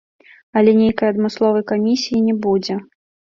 Але нейкай адмысловай камісіі не будзе.